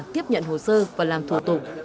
tiếp nhận hồ sơ và làm thủ tục